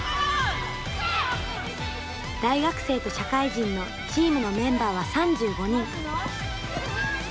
大学生と社会人のチームのメンバーは３５人。